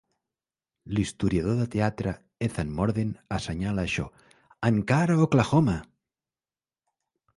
L'historiador de teatre Ethan Mordden assenyala això, "encara Oklahoma"!